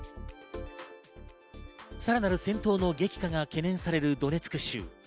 さらなる戦闘の激化が懸念されるドネツク州。